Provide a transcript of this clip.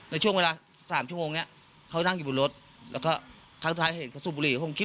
ในช่วงเวลา๓ชั่วโมงนี้เขานั่งอยู่บนรถแล้วก็ครั้งสุดท้ายเห็นเขาสูบบุหรีผมคิด